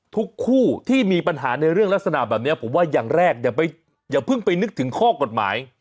ทุกคู่ที่มีปัญหาในเรื่องลักษณะแบบนี้ผมว่าอย่างแรกอย่าเพิ่งไปนึกถึงข้อกฎหมาย